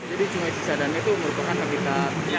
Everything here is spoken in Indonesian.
jadi sungai cisadane itu merupakan habitat buaya